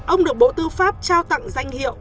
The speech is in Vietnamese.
ông được bộ tư pháp trao tặng danh hiệu